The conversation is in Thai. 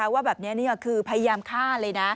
ว่าแบบนี้คือพยายามฆ่าเลยนะ